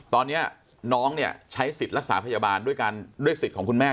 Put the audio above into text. ตอนนี้น้องเนี่ยใช้สิทธิ์รักษาพยาบาลด้วยสิทธิ์ของคุณแม่